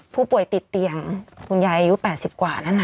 ผู้ป่วยติดเตียงคุณยายอายุ๘๐กว่านั้น